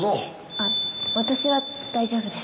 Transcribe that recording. あっ私は大丈夫です。